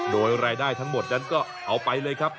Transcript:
โดยรายได้ทั้งหมดนั้นก็เอาไปเลยครับ